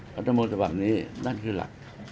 พระเจ้าโมทบังนี้นั่นคือหลัก